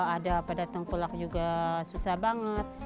ada pada tengkulak juga susah banget